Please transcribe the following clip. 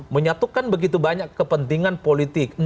menyatukan begitu banyak kepentingan politik